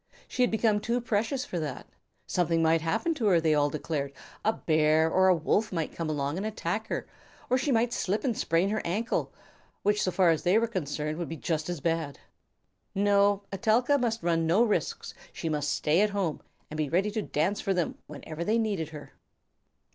She had become too precious for that. Something might happen to her, they all declared, a bear or a wolf might come along and attack her, or she might slip and sprain her ankle, which, so far as they were concerned, would be just as bad! No, Etelka must run no risks; she must stay at home, and be ready to dance for them whenever they needed her.